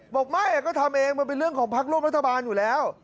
บอกไม่ก็ทำเองมันเป็นเรื่องของพักร่วมรัฐบาลอยู่แล้ว